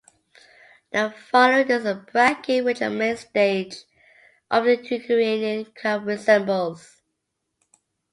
The following is the bracket which the main stage of the Ukrainian Cup resembles.